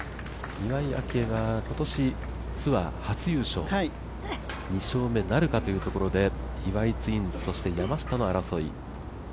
岩井明愛は今年ツアー初優勝２勝目なるかというところで岩井ツインズ、そして山下の争い。